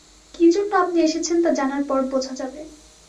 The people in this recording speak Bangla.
কি জন্যে আপনি এসেছেন তা জানার পর বোঝা যাবে।